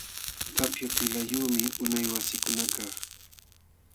Tapya pilqayumi unay wasikunakaq.